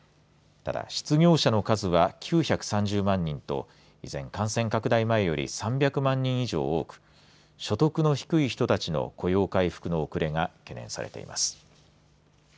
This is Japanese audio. ただ失業者の数は９３０万人と依然、感染拡大前より３００万人以上多く所得の低い人たちの雇用回復の遅れが懸念されています。